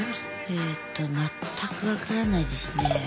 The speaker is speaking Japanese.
えっと全く分からないですね。